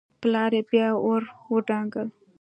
پلار يې بيا ور ودانګل.